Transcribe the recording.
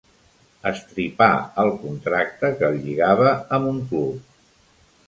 Estripà el contracte que el lligava amb un club.